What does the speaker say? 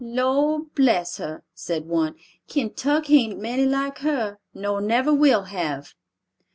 "Lor' bless her," said one; "Kentuck hain't many like her, nor never will have."